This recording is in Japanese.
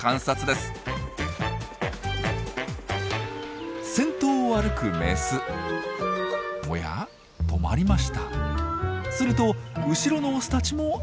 すると後ろのオスたちも止まります。